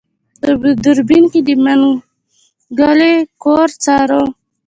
په دوربين کې يې د منګلي کور څاره.